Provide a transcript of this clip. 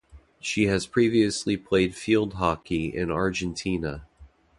She has previously played field hockey in Argentina.